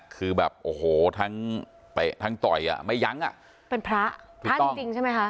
คือแบบโอ้โหทั้งเตะทั้งต่อยอ่ะไม่ยั้งอ่ะเป็นพระพระจริงจริงใช่ไหมคะ